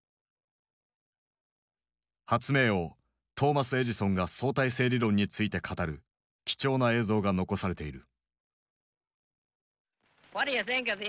発明王トーマス・エジソンが相対性理論について語る貴重な映像が残されている。